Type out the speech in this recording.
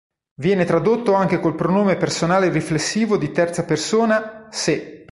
Viene tradotto anche col pronome personale riflessivo di terza persona Sé.